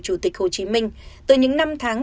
chủ tịch hồ chí minh từ những năm tháng